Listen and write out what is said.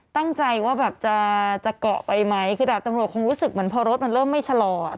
ตั้งใจว่าแบบจะจะเกาะไปไหมคือดาบตำรวจคงรู้สึกเหมือนพอรถมันเริ่มไม่ชะลออ่ะ